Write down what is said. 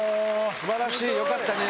素晴らしいよかったね！